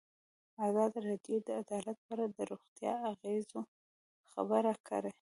ازادي راډیو د عدالت په اړه د روغتیایي اغېزو خبره کړې.